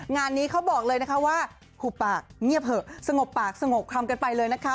งานนี้เขาบอกเลยนะคะว่าหูปากเงียบเหอะสงบปากสงบคำกันไปเลยนะคะ